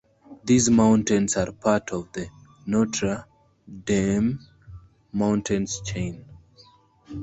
These mountains are part of the Notre Dame Mountains chain.